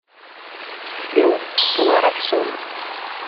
Sliɣ ur tettetteḍ ara aksum.